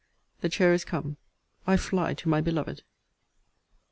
The chair is come. I fly to my beloved.